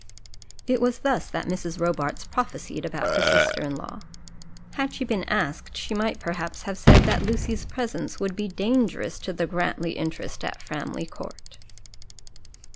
It was thus that Mrs. Robarts prophesied about her sister in law. Had she been asked she might perhaps have said that Lucy's presence would be dangerous to the Grantly interest at Framley Court.